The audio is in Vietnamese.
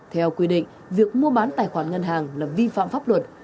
theo quy định việc mua bán tài khoản ngân hàng là vi phạm pháp luật